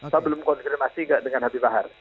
saya belum konservasi dengan habib bahar